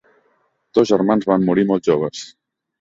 Dos germans van morir molt joves.